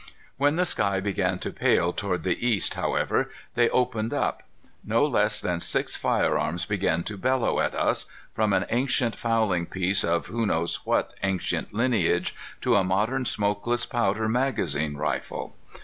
When the sky began to pale toward the east, however, they opened up. No less than six firearms began to bellow at us, from an ancient fowling piece of who knows what ancient lineage to a modern smokeless powder magazine rifle.